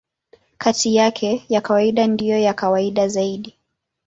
Kati yake, ya kwanza ndiyo ya kawaida zaidi.